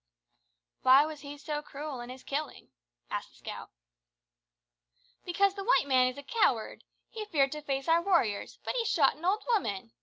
"Why was he so cruel in his killing?" asked the scout. "Because the white man was a coward. He feared to face our warriors, but he shot an old woman!"